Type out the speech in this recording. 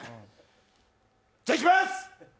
じゃあいきます！